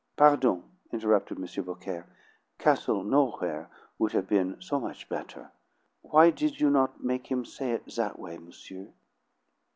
"Pardon," interrupted M. Beaucaire. "'Castle Nowhere' would have been so much better. Why did you not make him say it that way, monsieur?"